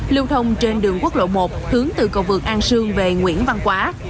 lưu thông trên đường quốc lộ một hướng từ cầu vượt an sương về nguyễn văn quá